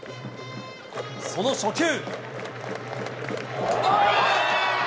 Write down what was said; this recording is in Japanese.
その初球。